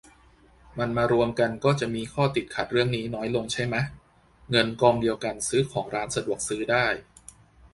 มันมารวมกันก็จะมีข้อติดขัดเรื่องนี้น้อยลงใช่มะ เงินกองเดียวกันซื้อของร้านสะดวกซื้อได้